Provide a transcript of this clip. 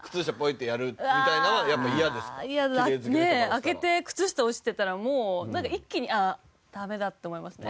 開けて靴下落ちてたらもう一気に「ああダメだ」って思いますね。